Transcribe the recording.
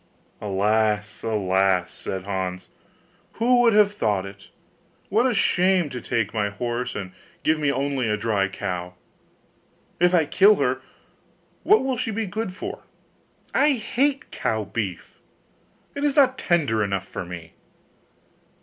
'Alas, alas!' said Hans, 'who would have thought it? What a shame to take my horse, and give me only a dry cow! If I kill her, what will she be good for? I hate cow beef; it is not tender enough for me.